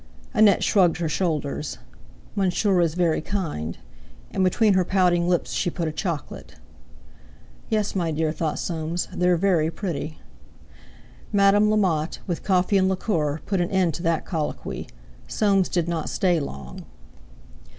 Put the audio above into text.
Annette shrugged her shoulders. "Monsieur is very kind." And between her pouting lips she put a chocolate. "Yes, my dear," thought Soames, "they're very pretty." Madame Lamotte, with coffee and liqueur, put an end to that colloquy. Soames did not stay long.